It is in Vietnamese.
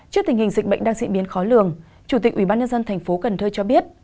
trước tình hình dịch bệnh đang diễn biến khó lường chủ tịch ubnd tp cần thơ cho biết